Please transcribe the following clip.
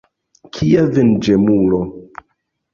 Kia venĝemulo!